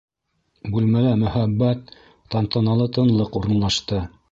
Бүлмәлә мөһабәт, тантаналы тынлыҡ урынлашты.